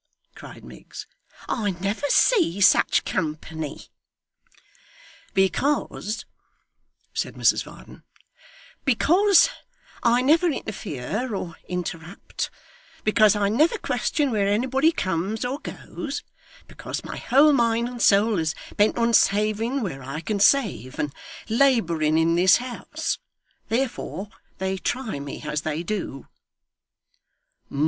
cried Miggs. 'I never see such company!' 'Because,' said Mrs Varden, 'because I never interfere or interrupt; because I never question where anybody comes or goes; because my whole mind and soul is bent on saving where I can save, and labouring in this house; therefore, they try me as they do.